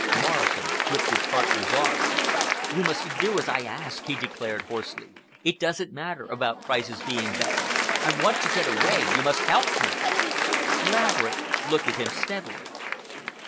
Morrison gripped his partner's arm. "You must do as I ask," he declared hoarsely. "It doesn't matter about prices being better. I want to get away. You must help me." Laverick looked at him steadily.